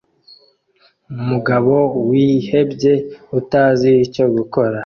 Umugabo wihebye utazi icyo gukora